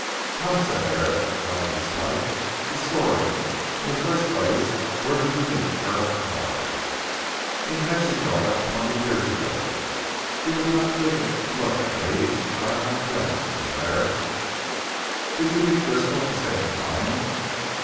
"Come," said Herrick lighting his pipe, "the story. In the first place where did you meet Colonel Carr?" "In Mexico about twenty years ago. You would not think it to look at me. But I am not young, Señor Herrick." "Did you meet Frisco at the same time?"